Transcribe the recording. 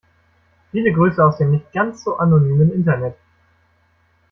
Viele Grüße aus dem nicht ganz so anonymen Internet.